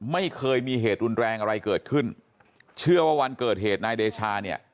ไม่เคยมีเหตุรุนแรงอะไรเกิดขึ้นเชื่อว่าวันเกิดเหตุนายเดชาเนี่ย